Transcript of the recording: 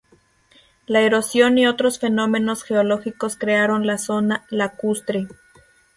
La erosión y otros fenómenos geológicos crearon la zona lacustre.